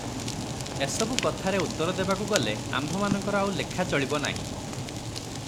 ଏସବୁ କଥାରେ ଉତ୍ତର ଦେବାକୁ ଗଲେ ଆମ୍ଭମାନଙ୍କର ଆଉ ଲେଖା ଚଳିବ ନାହିଁ ।